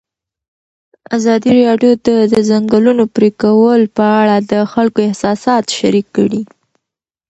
ازادي راډیو د د ځنګلونو پرېکول په اړه د خلکو احساسات شریک کړي.